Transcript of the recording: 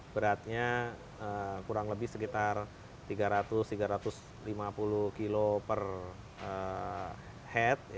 beratnya kurang lebih sekitar tiga ratus tiga ratus lima puluh kilo per head